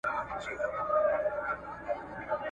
زوی یې وویل چټک نه سمه تللای `